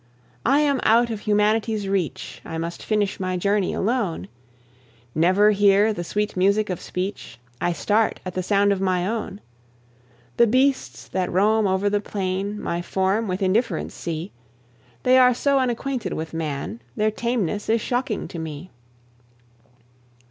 I am out of humanity's reach, I must finish my journey alone, Never hear the sweet music of speech, I start at the sound of my own. The beasts that roam over the plain My form with indifference see; They are so unacquainted with man, Their tameness is shocking to me.